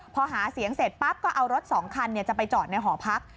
พอหาเสียงเสร็จปั๊บก็เอารถ๒คันจะไปจอดในหอพัก